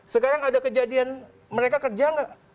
sekarang ada kejadian mereka kerja nggak